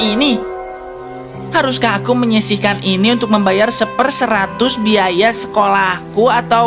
ini haruskah aku menyisihkan ini untuk membayar seperseratus biaya sekolahku